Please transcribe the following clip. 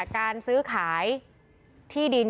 การซื้อขายที่ดิน